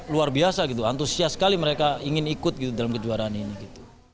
luar biasa gitu antusias sekali mereka ingin ikut gitu dalam kejuaraan ini gitu